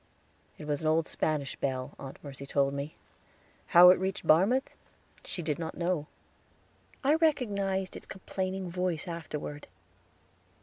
It was an old Spanish bell, Aunt Mercy told me. How it reached Barmouth she did not know. I recognized its complaining voice afterward.